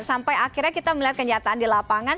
sampai akhirnya kita melihat kenyataan di lapangan